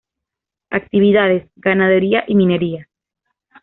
Actividades: ganadería y minería.